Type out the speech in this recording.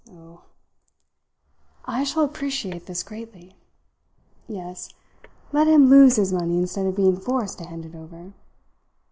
Oh, I shall appreciate this greatly. Yes, let him lose his money instead of being forced to hand it over.